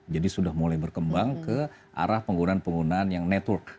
jadi sudah mulai berkembang ke arah penggunaan penggunaan yang network